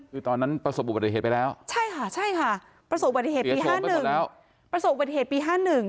คือตอนนั้นประสบบัติเหตุไปแล้วใช่ค่ะประสบบัติเหตุปี๕๑